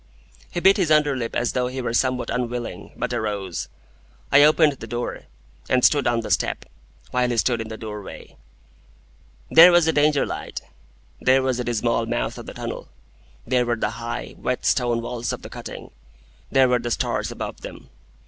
He bit his under lip as though he were somewhat unwilling, but arose. I opened the door, and stood on the step, while he stood in the doorway. There was the Danger light. There was the dismal mouth of the tunnel. There were the high, wet stone walls of the cutting. There were the stars above them.